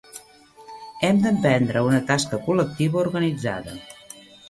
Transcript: Hem d'emprendre una tasca col·lectiva organitzada.